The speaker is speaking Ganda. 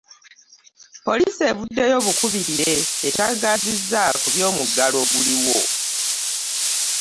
Poliisi evuddeyo bukubirire, etangaazizza ku by'omuggalo oguliwo.